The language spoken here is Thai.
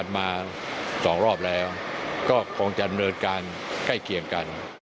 มา๒รอบแล้วก็คงจะดำเนินการใกล้เคียงกัน